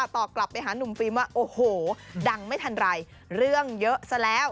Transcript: ตอบกลับไปหานุ่มฟิล์มว่าโอ้โหดังไม่ทันไรเรื่องเยอะซะแล้ว